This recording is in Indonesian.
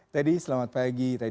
teddy selamat pagi